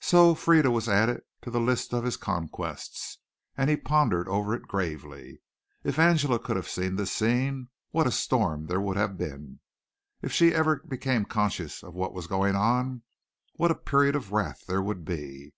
So Frieda was added to the list of his conquests and he pondered over it gravely. If Angela could have seen this scene, what a storm there would have been! If she ever became conscious of what was going on, what a period of wrath there would be!